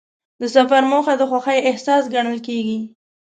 د سفر موخه د خوښۍ احساس ګڼل کېږي.